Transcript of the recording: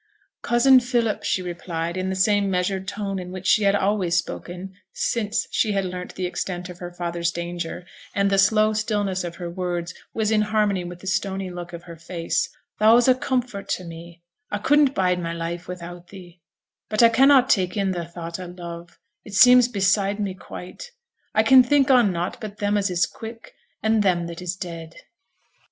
'Cousin Philip,' she replied, in the same measured tone in which she had always spoken since she had learnt the extent of her father's danger, and the slow stillness of her words was in harmony with the stony look of her face, 'thou's a comfort to me, I couldn't bide my life without thee; but I cannot take in the thought o' love, it seems beside me quite; I can think on nought but them that is quick and them that is dead.'